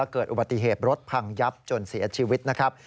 เกิดอุบัติเหตุรถพังยับจนเสียชีวิตนะครับ